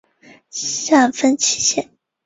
此纬线横越南冰洋及南极洲。